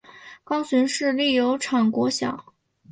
高雄市立油厂国小